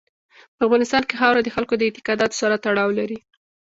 په افغانستان کې خاوره د خلکو د اعتقاداتو سره تړاو لري.